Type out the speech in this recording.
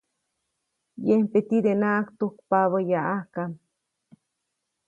Yempe tidenaʼajk tujkpabä yaʼajka.